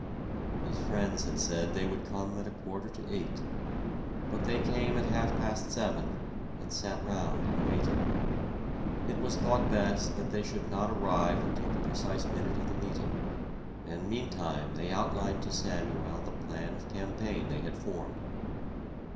His friends had said they would come at a quarter to eight. But they came at half past seven, and sat round and waited. It was thought best that they should not arrive until the precise minute of the meeting; and meantime they outlined to Samuel the plan of campaign they had formed.